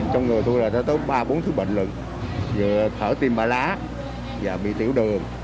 trong người tôi là tới ba bốn thứ bệnh lần vừa thở tim bả lá và bị tiểu đường